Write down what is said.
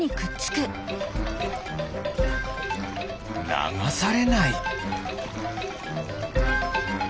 ながされない。